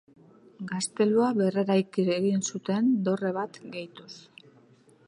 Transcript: Gaztelua berreraiki egin zuten dorre bat gehituz.